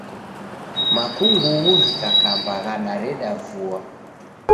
Makungughu ghikakamba ghadareda vua